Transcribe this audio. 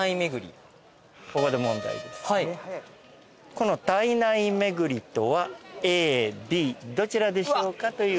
このたいないめぐりとはＡＢどちらでしょうかという問題。